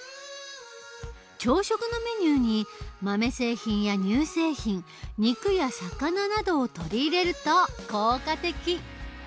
朝食のメニューに豆製品や乳製品肉や魚などを取り入れると効果的。